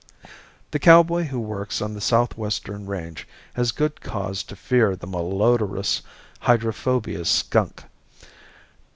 The cowboy who works on the southwestern range has good cause to fear the malodorous hydrophobia skunk.